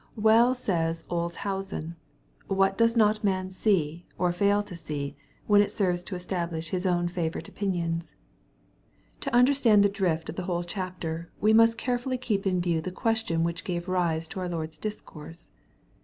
Well says Olshausen, " What does not man see, or fail to see, when it serves to establish his own favorite opinions ?" To understand the drift of the whole chapter, we must carefully keep in view the question which gave rise to our Lord's discourse.